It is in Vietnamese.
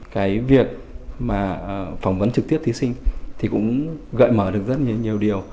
cái việc phỏng vấn trực tiếp thí sinh cũng gợi mở được rất nhiều điều